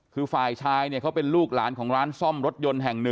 คือฝ่ายชายเนี่ยเขาเป็นลูกหลานของร้านซ่อมรถยนต์แห่ง๑